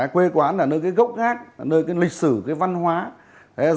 quê quán ở nơi cái gốc khác nơi cái lịch sử cái văn hóa nơi cái lịch sử cái văn hóa nơi cái lịch sử cái văn hóa